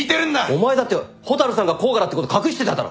お前だって蛍さんが甲賀だってこと隠してただろ。